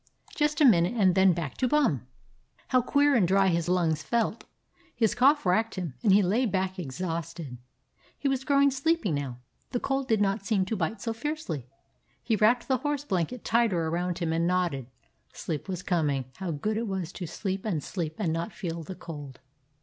Just a minute, and then back to Bum. How queer and dry his lungs felt. His cough racked him, and he lay back exhausted. He was growing sleepy now; the cold did not seem to bite so fiercely. He wrapped the horse blanket tighter around him, and nodded. ... Sleep was coming ... how good it was to sleep and sleep and not feel the cold.